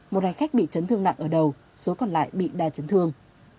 một hành khách bị chấn thương nặng ở đầu số còn lại bị đa chấn thương